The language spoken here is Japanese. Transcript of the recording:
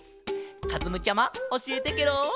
かずむちゃまおしえてケロ。